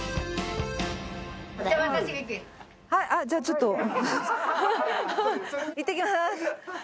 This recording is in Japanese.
じゃあちょっと。